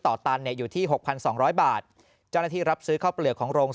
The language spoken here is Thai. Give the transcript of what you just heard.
ตันเนี่ยอยู่ที่๖๒๐๐บาทเจ้าหน้าที่รับซื้อข้าวเปลือกของโรง